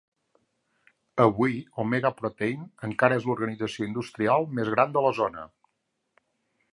Avui, Omega Protein encara és l'organització industrial més gran de la zona.